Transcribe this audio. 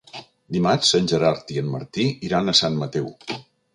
Dimarts en Gerard i en Martí iran a Sant Mateu.